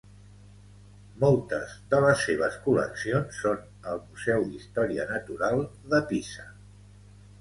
Moltes de les seves col·leccions són al Museu d'Història Natural de Pisa.